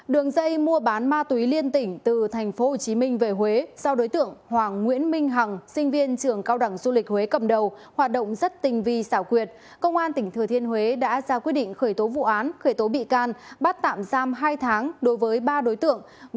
đường dây mua bán ma túy liên tỉnh từ tp hcm về huế do đối tượng hoàng nguyễn minh hằng sinh viên trường cao đẳng du lịch huế cầm đầu hoạt động rất tinh vi xảo quyệt công an tỉnh thừa thiên huế đã ra quyết định khởi tố vụ án khởi tố bị can bắt tạm giam hai tháng đối với ba đối tượng